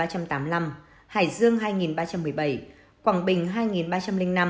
hải dương hai ba trăm một mươi bảy quảng bình hai ba trăm linh năm